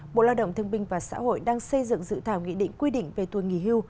bộ lao động thương binh và xã hội đang xây dựng dự thảo nghị định quy định về tuổi nghỉ hưu